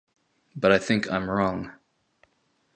But I think I'm wrong.